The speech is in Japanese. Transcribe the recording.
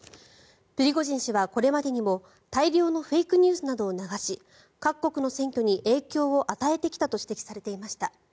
プリゴジン氏は、これまでにも大量のフェイクニュースなどを流し各国の選挙に影響を与えてきたと指摘されていました。